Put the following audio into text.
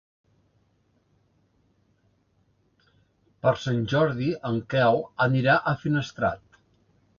Per Sant Jordi en Quel anirà a Finestrat.